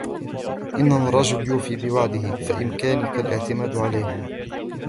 إنه رجل يوفي بوعده ، فبإمكانك الاعتماد عليه.